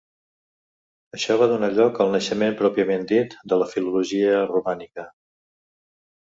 Això va donar lloc al naixement pròpiament dit de la filologia romànica.